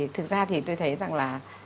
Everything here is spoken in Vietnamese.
thực ra thì tôi thấy rằng là